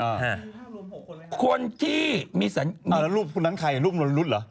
อ่าคุณนุ่นวรรณุษย์หรือครับอ่าแล้วรูปคุณนั้นใครรูปนุ่นวรรณุษย์เหรอ